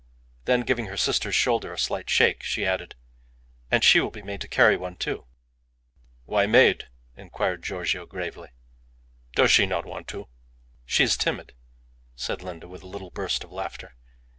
Then, giving her sister's shoulder a slight shake, she added "And she will be made to carry one, too!" "Why made?" inquired Giorgio, gravely. "Does she not want to?" "She is timid," said Linda, with a little burst of laughter.